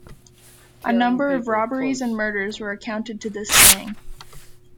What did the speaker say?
A number of robberies and murders were accounted to this gang.